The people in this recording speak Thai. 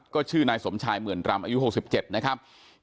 ก็ชื่อนายสมชายเหมือนรำอายุ๖๗นะครับ